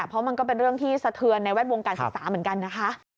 เพราะมันก็เป็นเรื่องที่สะเทือนในแวดวงการศึกษาเหมือนกันนะคะ